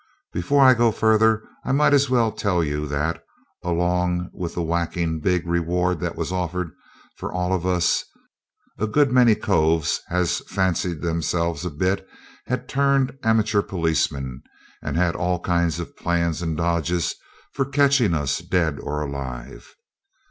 Before I go further I might as well tell you that, along with the whacking big reward that was offered for all of us, a good many coves as fancied themselves a bit had turned amateur policemen, and had all kinds of plans and dodges for catching us dead or alive.